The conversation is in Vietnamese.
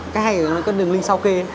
cái hay là nó có đường link sau kê